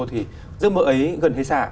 thì giấc mơ ấy gần hay xa